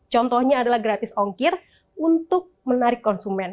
contohnya adalah gratis ongkir untuk menarik konsumen